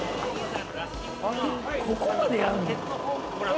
ここまでやるの？